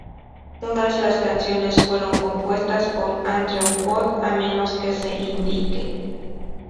Todas las canciones fueron compuestas por Andrew Wood a menos que se indique.